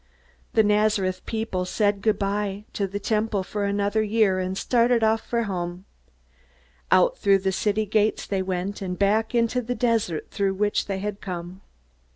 The Nazareth people said good by to the Temple for another year, and started off for home. Out through the city gates they went, and back into the desert through which they had come.